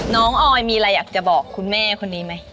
ออยมีอะไรอยากจะบอกคุณแม่คนนี้ไหม